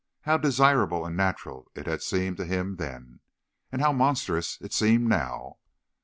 How desirable and natural it had seemed to him then, and how monstrous it seemed now!